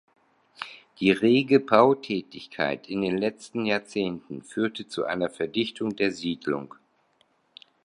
Die rege Bautätigkeit in den letzten Jahrzehnten führte zu einer Verdichtung der Siedlung.